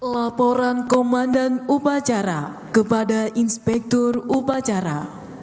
laporan komandan upacara kepada inspektur upacara